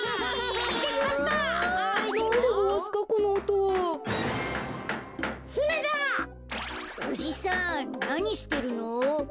おじさんなにしてるの？